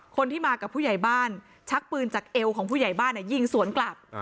คนที่มากับผู้ใหญ่บ้านชักปืนจากเอวของผู้ใหญ่บ้านยิงสวนกลับ